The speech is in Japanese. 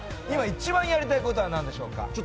今一番やりたいことはなんでしょうか？